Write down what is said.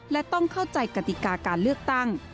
และต้องเข้าใจกติกาการเลือกตั้ง